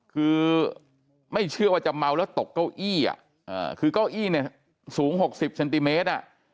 คือไม่เชื่อว่าจะเมาแล้วตกเก้าอี้คือเก้าอี้เนี่ยสูง๖๐เซนติเมตร